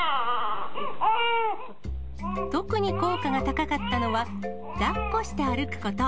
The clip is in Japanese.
特に効果が高かったのは、だっこして歩くこと。